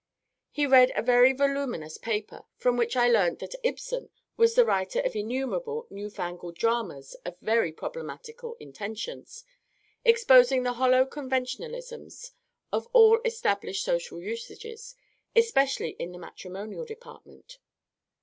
He read a very voluminous paper, from which I learnt that IBSEN was the writer of innumerable new fangled dramas of very problematical intentions, exposing the hollow conventionalisms of all established social usages, especially in the matrimonial department.